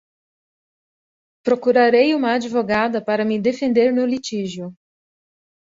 Procurarei uma advogada para me defender no litígio